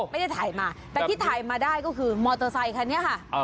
ไม่ได้ถ่ายมาแต่ที่ถ่ายมาได้ก็คือมอเตอร์ไซคันนี้ค่ะ